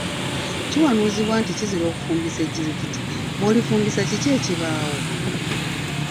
Kiwanuuzibwa nti kizira okufumbisa ejjirikiti, bw'olifumbisa kiki ekibaawo?